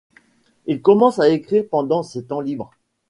Il commence à écrire pendant ses temps libres.